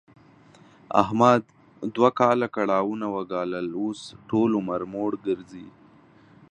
احمد دوه کاله کړاوونه و ګالل، اوس ټول عمر موړ ګرځي.